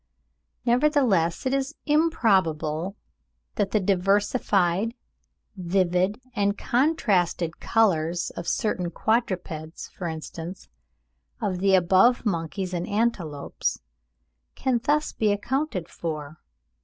Nevertheless it is improbable that the diversified, vivid, and contrasted colours of certain quadrupeds, for instance, of the above monkeys and antelopes, can thus be accounted for.